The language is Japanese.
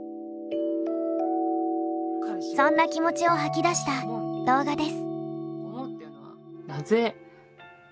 そんな気持ちを吐き出した動画です。